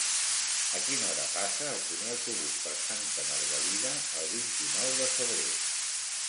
A quina hora passa el primer autobús per Santa Margalida el vint-i-nou de febrer?